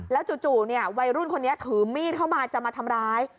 จู่วัยรุ่นคนนี้ถือมีดเข้ามาจะมาทำร้าย